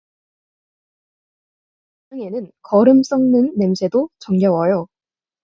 고향에서는 거름 썩는 냄새도 정겨워요.